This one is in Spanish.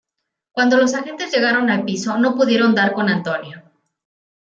Cuando los agentes llegaron al piso, no pudieron dar con Antonio.